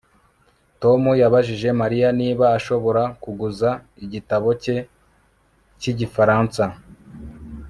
Tom yabajije Mariya niba ashobora kuguza igitabo cye cyigifaransa